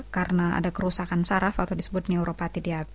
karena ada kerusakan saraf atau disebut neuropatidia